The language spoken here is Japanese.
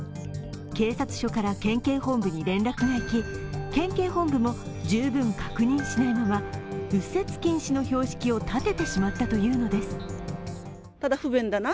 警察署から県警本部に連絡がいき、県警本部も十分確認しないまま右折禁止の標識を立ててしまったというのです。